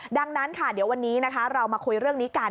ดังนั้นค่ะเดี๋ยววันนี้นะคะเรามาคุยเรื่องนี้กัน